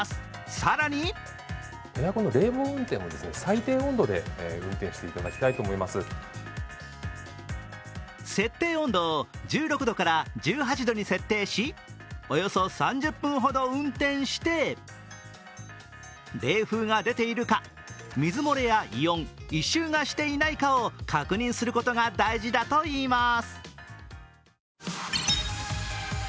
更に設定温度を１６度から１８度に設定し、およそ３０分ほど運転して冷風が出ているか水漏れや異音、異臭がしていないかを確認することが大事だといいます。